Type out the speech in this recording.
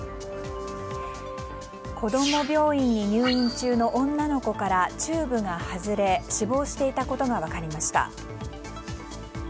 子供病院に入院中の女の子からチューブ外れ死亡していたことが分かりました。